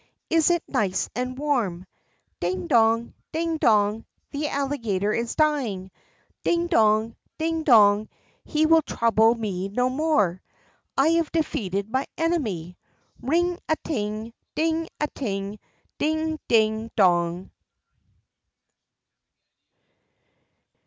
Is it nice and warm? Ding dong! ding dong! The Alligator is dying! ding dong, ding dong! He will trouble me no more. I have defeated my enemy! Ring a ting! ding a ting! ding ding dong!"